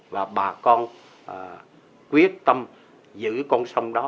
và bà con quyết tâm giữ con sông đó